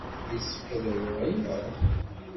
Yessefk ad aruɣ aya?